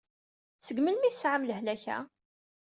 Seg melmi i tesɛam lehlak-a?